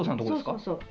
そうそうそう。